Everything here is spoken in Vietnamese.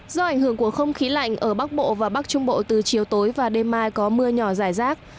do ảnh hưởng của không khí lạnh ở bắc bộ và bắc trung bộ từ chiều tối và đêm mai có mưa nhỏ rải rác